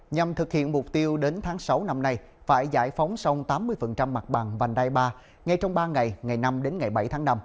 nhằm thực hiện mục tiêu đến tháng sáu năm nay phải giải phóng sông tám mươi mặt bằng vành đai ba ngay trong ba ngày ngày năm đến ngày bảy tháng năm